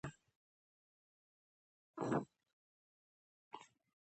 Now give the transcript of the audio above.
د اضحیو کار مې خوریانو سرته رسولی و.